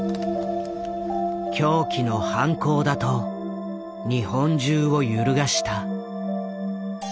狂気の犯行だと日本中を揺るがした。